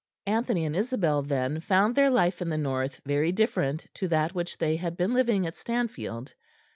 Anthony and Isabel then found their life in the North very different to that which they had been living at Stanfield.